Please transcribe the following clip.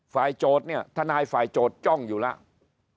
โจทย์เนี่ยทนายฝ่ายโจทย์จ้องอยู่แล้ว